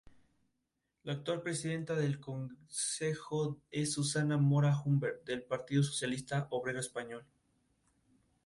You Won't See Me fue una de las últimas grabaciones de Rubber Soul.